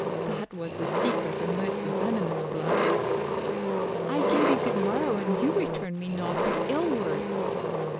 "That was a secret and most venomous blow." "I gave you good morrow and you returned me nought but ill words."